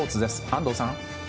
安藤さん。